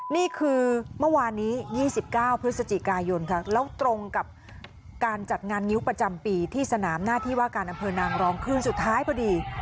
นี่คือเมื่อวานนี้๒๙พฤศจิกายนค่ะแล้วตรงกับการจัดงานงิ้วประจำปีที่สนามหน้าที่ว่าการอำเภอนางรองคือสุดท้ายพอดี